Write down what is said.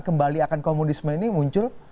kembali akan komunisme ini muncul